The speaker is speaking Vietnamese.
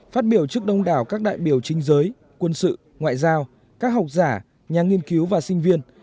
phát biểu trước đông đảo các đại biểu chính giới quân sự ngoại giao các học giả nhà nghiên cứu và sinh viên